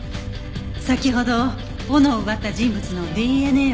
先ほど斧を奪った人物のＤＮＡを採取しました。